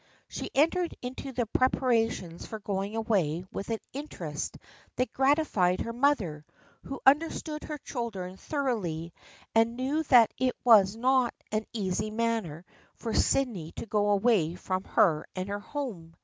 She entered into the prepara tions for going away with an interest that gratified her mother, who understood her children thor oughly and knew that it was not an easy matter for Sydney to go away from her and her home.